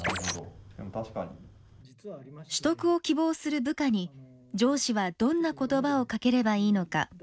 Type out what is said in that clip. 取得を希望する部下に上司はどんな言葉をかければいいのか。